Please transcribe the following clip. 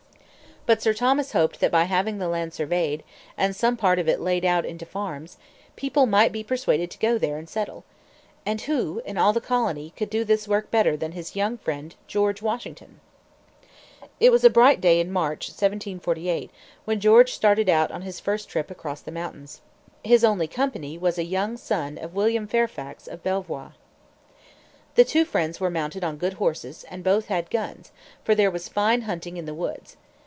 But Sir Thomas hoped that by having the land surveyed, and some part of it laid out into farms, people might be persuaded to go there and settle. And who in all the colony could do this work better than his young friend, George Washington? It was a bright day in March, 1748, when George started out on his first trip across the mountains. His only company was a young son of William Fairfax of Belvoir. The two friends were mounted on good horses; and both had guns, for there was fine hunting in the woods.